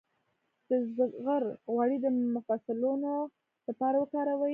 د زغر غوړي د مفصلونو لپاره وکاروئ